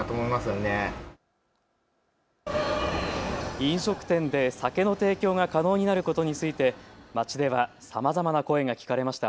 飲食店で酒の提供が可能になることについて街ではさまざまな声が聞かれました。